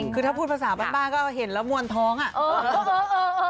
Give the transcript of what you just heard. คือถ้าพูดภาษาบ้านก็เห็นแล้วมวลท้องอ่ะ